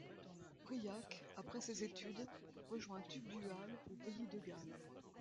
Briac, après ses études, rejoint Tugdual au pays de Galles.